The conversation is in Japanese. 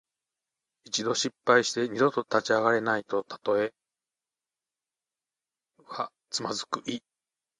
一度失敗して二度と立ち上がれないたとえ。「蹶」はつまずく意。